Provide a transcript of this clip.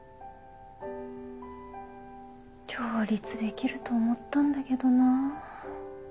両立できると思ったんだけどなぁ。